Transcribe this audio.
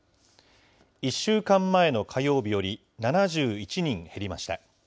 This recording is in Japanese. １週間前の火曜日より７１人減りました。